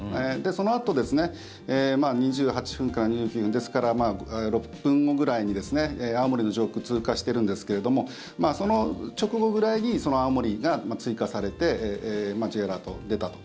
そのあと、２８分から２９分ですから６分後ぐらいに青森の上空通過しているんですけれどもその直後ぐらいに青森が追加されてＪアラートが出たと。